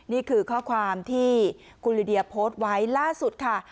นี่คือข้อความที่คุณลิเดียโพสต์ไว้ล่าสุดค่ะ